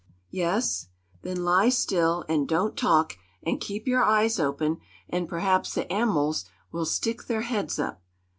"Yes." "Then lie still and don't talk, and keep your eyes open, and perhaps the an'mals will stick their heads up."